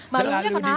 malunya kenapa pak